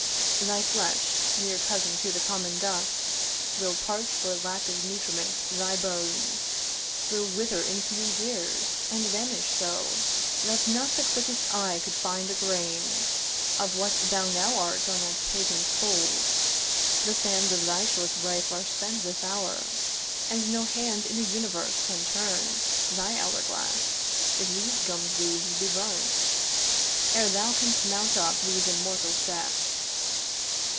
'Thy flesh, near cousin to the common dust, 'Will parch for lack of nutriment thy bones 'Will wither in few years, and vanish so 'That not the quickest eye could find a grain 'Of what thou now art on that pavement cold. 'The sands of thy short life are spent this hour, 'And no hand in the universe can turn 'Thy hourglass, if these gummed leaves be burnt 'Ere thou canst mount up these immortal steps.'